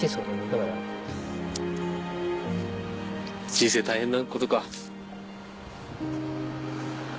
人生大変なことか。